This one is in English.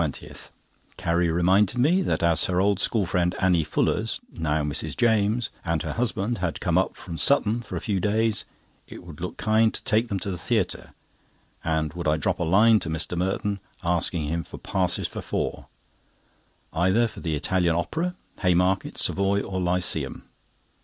—Carrie reminded me that as her old school friend, Annie Fullers (now Mrs. James), and her husband had come up from Sutton for a few days, it would look kind to take them to the theatre, and would I drop a line to Mr. Merton asking him for passes for four, either for the Italian Opera, Haymarket, Savoy, or Lyceum.